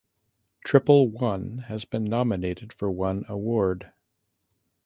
Triple One has been nominated for one award.